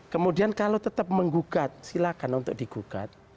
kemudian kalau tetap menggugat silakan untuk digugat